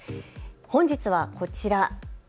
本日はこちら。